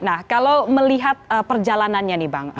nah kalau melihat perjalanannya nih bang